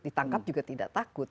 ditangkap juga tidak takut